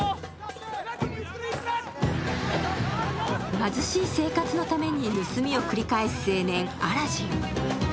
貧しい生活のために盗みを繰り返す青年、アラジン。